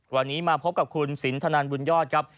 วันนี้มาพบกับคุณสินทนันบุญยอดครับ